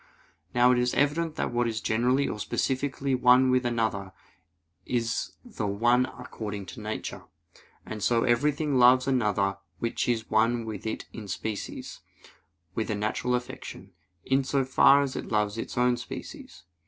Now it is evident that what is generically or specifically one with another, is the one according to nature. And so everything loves another which is one with it in species, with a natural affection, in so far as it loves its own species.